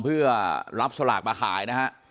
เพื่อรับสลากมาขายนะฮะ